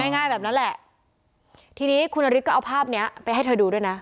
ง่ายแบบนั้นแหละทีนี้คุณนฤทธิก็เอาภาพเนี้ยไปให้เธอดูด้วยนะ